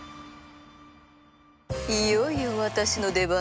いよいよ私の出番ね。